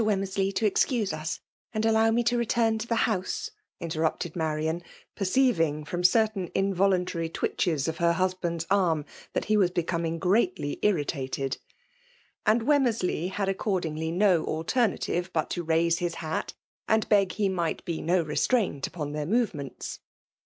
Wemmersley to excuse us, and Jievr me t^ return to the house," interrupted Marian» perceiving from certain involimtary twitches of her husband*8 arm that he was becoming greatly mitttted. And Wemmersley had a& oerdingly no alternative but to raise his hat, and beg he might be no restraint upon their movements.